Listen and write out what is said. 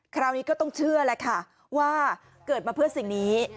คราวนี้ก็ต้องเชื่อแหละค่ะว่าเกิดมาเพื่อสิ่งนี้